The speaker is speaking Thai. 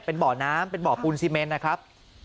เป็นบ่อน้ำเป็นบ่อปูนซีเมนนะครับ